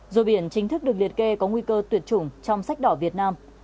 rùa biển chính thức được liệt kê có nguy cơ tuyệt chủng trong sách đỏ việt nam